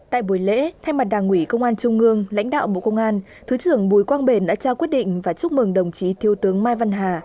tại buổi lễ thay mặt đảng ủy công an trung ương lãnh đạo bộ công an thứ trưởng bùi quang bền đã trao quyết định và chúc mừng đồng chí thiếu tướng mai văn hà